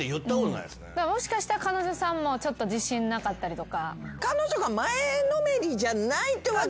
もしかしたら彼女さんもちょっと自信なかったりとか。